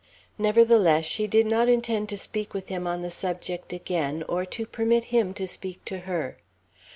Nevertheless, she did not intend to speak with him on the subject again, or to permit him to speak to her.